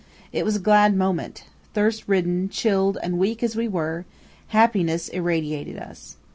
It was a glad moment. Thirst ridden, chilled, and weak as we were, happiness irradiated us.